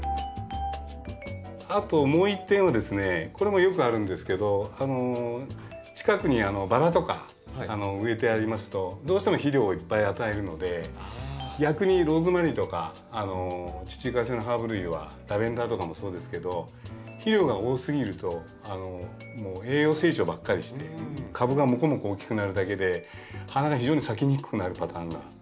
あともう一点はですねこれもよくあるんですけど近くにバラとか植えてありますとどうしても肥料をいっぱい与えるので逆にローズマリーとか地中海性のハーブ類はラベンダーとかもそうですけど肥料が多すぎると栄養成長ばっかりして株がモコモコ大きくなるだけで花が非常に咲きにくくなるパターンがよくあります。